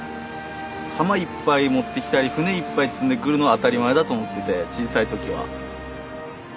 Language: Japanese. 浜いっぱい持ってきたり船いっぱい積んでくるのは当たり前だと思ってて小さい時は。